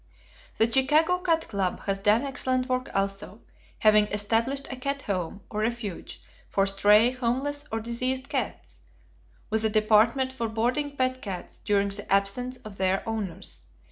The Chicago Cat Club has done excellent work also, having established a cat home, or refuge, for stray, homeless, or diseased cats, with a department for boarding pet cats during the absence of their owners.